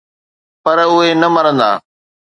پر اهي نه مرندا